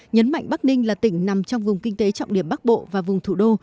nhấn mạnh bắc ninh là tỉnh nằm trong vùng kinh tế trọng điểm bắc bộ và vùng thủ đô